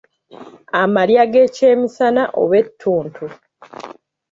Amalya g'ekyemisana oba ettuntu.